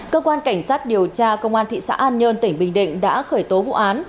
cơ quan cảnh sát điều tra công an thị xã an nhơn tỉnh bình định đã khởi tố vụ án